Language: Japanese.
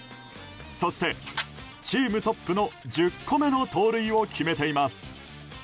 そしてチームトップの１０個目の盗塁を決めています。